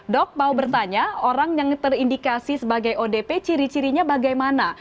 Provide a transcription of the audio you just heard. dok mau bertanya orang yang terindikasi sebagai odp ciri cirinya bagaimana